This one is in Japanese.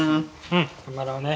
頑張ろうね。